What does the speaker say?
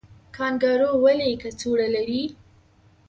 کانګارو ولې کڅوړه لري؟